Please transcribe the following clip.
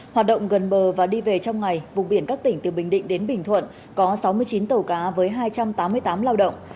hoạt động gần bờ và đi về trong ngày vùng biển các tỉnh từ bình định đến bình thuận có sáu mươi chín tàu cá với hai trăm tám mươi tám lao động